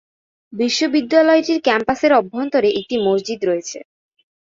বিশ্ববিদ্যালয়টির ক্যাম্পাসের অভ্যন্তরে একটি মসজিদ রয়েছে।